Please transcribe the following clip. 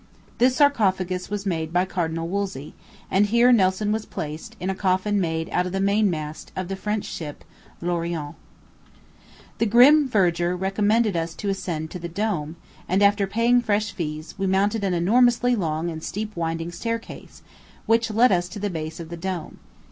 This sarcophagus was made by Cardinal Wolsey; and here Nelson was placed, in a coffin made out of the mainmast of the French ship, L'Orient. The grim verger recommended us to ascend to the dome, and, after paying fresh fees, we mounted an enormously long and steep winding staircase, which led us to the base of the dome.